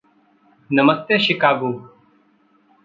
नमस्ते, शिकागो!